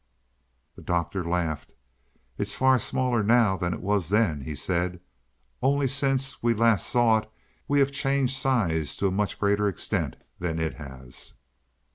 The Doctor laughed. "It's far smaller now than it was then," he said. "Only since we last saw it we have changed size to a much greater extent than it has."